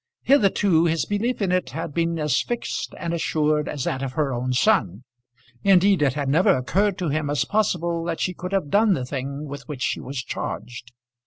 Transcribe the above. Hitherto his belief in it had been as fixed and assured as that of her own son. Indeed it had never occurred to him as possible that she could have done the thing with which she was charged.